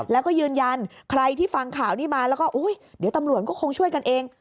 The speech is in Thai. แล้วก็ยืนยันใครที่ฟังข่าวนี้มาแล้วก็อุ๊ยเดี๋ยวตำรวจก็คงช่วยกันเอง